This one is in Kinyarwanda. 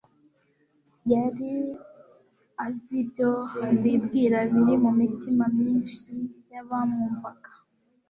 Yari azi ibyo bibwira biri mu mitima myinshi y'abamwumvaga,